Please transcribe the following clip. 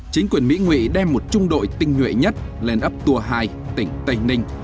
chính quyền mỹ ngụy đem một trung đội tinh nhuệ nhất lên ấp tour hai tỉnh tây ninh